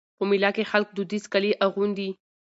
په مېله کښي خلک دودیز کالي اغوندي.